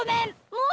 もう！